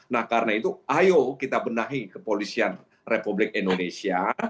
nah karena itu ayo kita benahi kepolisian republik indonesia